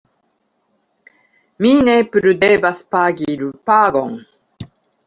mi ne plu devas pagi lupagon.